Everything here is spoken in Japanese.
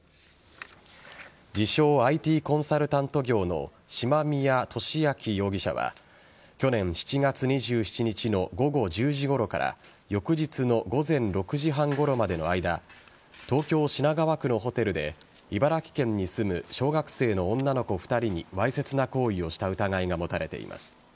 自称・ＩＴコンサルタント業の嶋宮利明容疑者は去年７月２７日の午後１０時ごろから翌日の午前６時半ごろまでの間東京・品川区のホテルで茨城県に住む小学生の女の子２人にわいせつな行為をした疑いが持たれています。